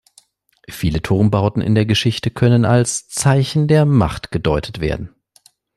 Viele Turmbauten in der Geschichte können als „Zeichen der Macht“ gedeutet werden.